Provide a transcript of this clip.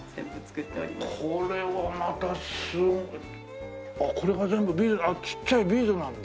これはまたすごいあっこれが全部ビーズあっちっちゃいビーズなんだ。